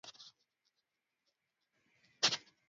Mtoto wake ameng'ara sana.